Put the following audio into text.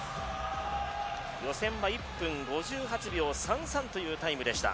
予選は１分５８秒３３というタイムでした。